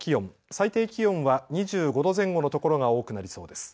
最低気温は２５度前後の所が多くなりそうです。